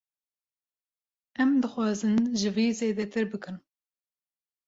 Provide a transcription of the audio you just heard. Em dixwazin ji vî zêdetir bikin.